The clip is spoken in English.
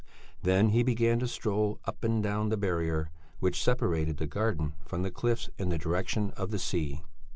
Then he began to stroll up and down the barrier which separated the garden from the cliffs in the direction of the sea.